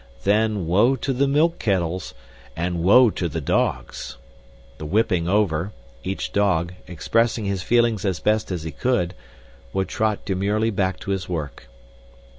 Then woe to the milk kettles, and woe to the dogs! The whipping over, each dog, expressing his feelings as best as he could, would trot demurely back to his work.